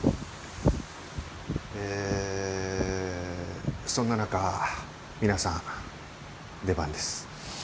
えそんな中皆さん出番です。